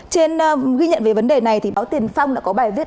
trên ghi nhận về vấn đề này thì báo tiền phong đã có bài viết